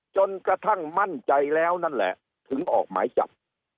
จนกระทั่งมั่นใจแล้วนั่นแหละถึงออกหมายจับ